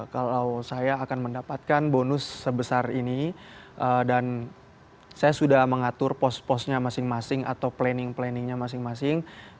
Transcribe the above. kalau saya akan mendapatkan bonus sebesar ini dan saya sudah mengatur pos posnya masing masing atau planning planningnya masing masing